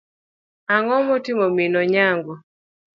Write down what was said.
Ang'o motimo mim Onyango.